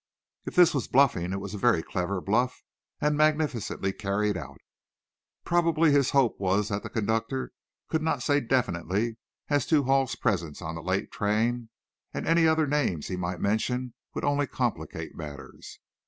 If this was bluffing, it was a very clever bluff, and magnificently carried out. Probably his hope was that the conductor could not say definitely as to Hall's presence on the late train, and any other names he might mention would only complicate matters.